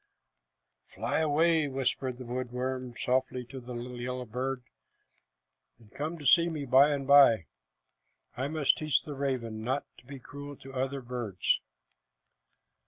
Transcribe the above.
"Fly away," whispered the wood worm softly to the little yellow bird, "and come to see me by and by. I must teach the raven not to be cruel to the other birds."